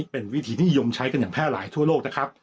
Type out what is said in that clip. เป็นวิธีนิยมใช้กันอย่างแพร่หลายทั่วโลกนะครับ